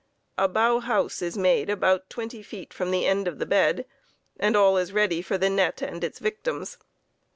A bough house is made about twenty feet from the end of the bed, and all is ready for the net and its victims.